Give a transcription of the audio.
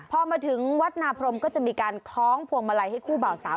พอมาถึงวัดนาพรมก็จะมีการคล้องพวงมาลัยให้คู่บ่าวสาว